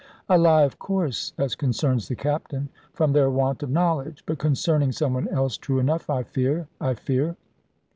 "A lie, of course, as concerns the Captain: from their want of knowledge. But concerning some one else, true enough, I fear, I fear."